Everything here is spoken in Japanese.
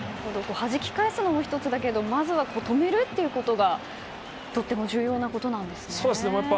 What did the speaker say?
はじき返すのも１つだけどまずは止めるというのがとても重要なことなんですね。